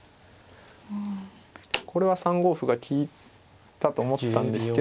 これは３五歩が利いたと思ったんですけど。